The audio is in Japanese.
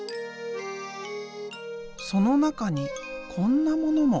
その中にこんなものも。